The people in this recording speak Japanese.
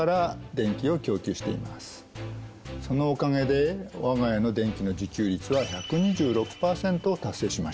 そのおかげで我が家の電気の自給率は１２６％を達成しました。